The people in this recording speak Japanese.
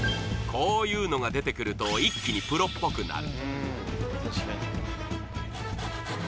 こういうのが出てくると、一気にプロっぽくなる。